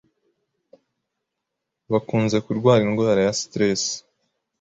bakunze kurwara indwara ya stress,